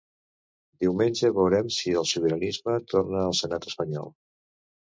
Diumenge veurem si el sobiranisme torna al senat espanyol.